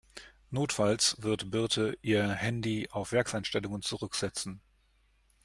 Notfalls wird Birte ihr Handy auf Werkseinstellungen zurücksetzen.